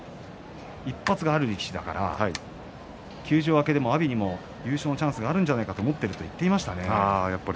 １発のある力士だから休場明けの阿炎にも優勝のチャンスがあるんじゃないかと思っていると言っていましたね。